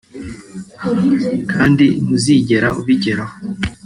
kandi ntuzigera ubigeraho